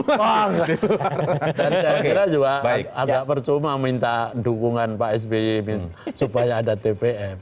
dan saya kira juga agak percuma minta dukungan pak sby supaya ada tpe